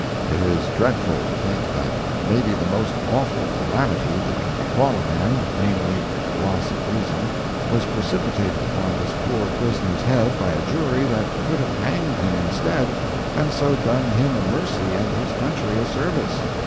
It is dreadful to think that maybe the most awful calamity that can befall a man, namely, loss of reason, was precipitated upon this poor prisoner's head by a jury that could have hanged him instead, and so done him a mercy and his country a service.